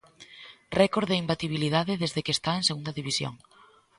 Récord de imbatibilidade desde que está en Segunda División.